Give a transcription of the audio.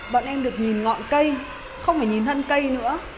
bọn em được nhìn ngọn cây không phải nhìn thân cây nữa